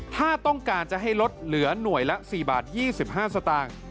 ถ้าต้องการจะให้ลดเหลือหน่วยละ๔บาท๒๕สตางค์